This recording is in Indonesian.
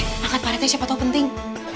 hei angkat pak rt siapa tahu penting